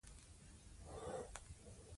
هغه د ملي پخلاینې یو سمبول بولي.